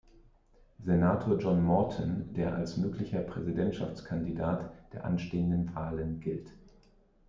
Senator John Morton, der als möglicher Präsidentschaftskandidat der anstehenden Wahlen gilt.